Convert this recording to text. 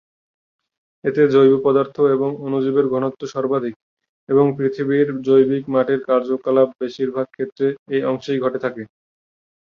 এতে জৈব পদার্থ এবং অণুজীবের ঘনত্ব সর্বাধিক এবং পৃথিবীর জৈবিক মাটির কার্যকলাপ বেশিরভাগ ক্ষেত্রে এ অংশেই ঘটে থাকে।